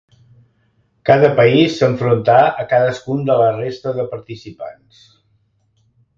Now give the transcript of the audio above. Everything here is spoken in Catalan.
Cada país s'enfrontà a cadascun de la resta de participants.